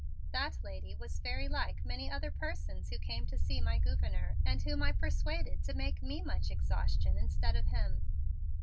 That lady was very like many other persons who came to see my Gouverneur and whom I persuaded to make me much exhaustion instead of him.